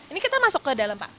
ini kita masuk ke dalam pak